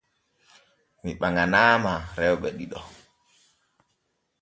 Mi ɓaŋanaama rewɓe ɗiɗo.